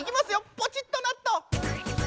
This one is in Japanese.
ポチッとなっと！